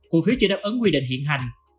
cụ phiếu chưa đáp ứng quy định hiện hành